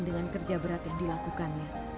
dengan kerja berat yang dilakukannya